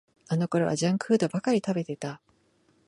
あのころはジャンクフードばかり食べてた